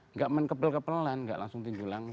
enggak menkepel kepelan enggak langsung tinju langsung